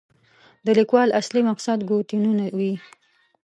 د لیکوال اصلي مقصد ګوتنیونه وي.